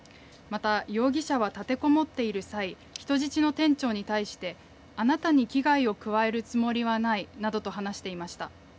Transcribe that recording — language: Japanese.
また容疑者は立てこもっている際、人質の店長に対してあなたに危害を加えるつもりはないなどと話していました。